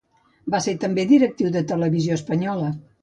Va ser també directiu de Televisió Espanyola.